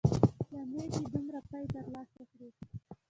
له مېږې دومره پۍ تر لاسه کړې.